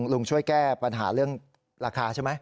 ช่วยแก้ปัญหาเรื่องราคาใช่ไหม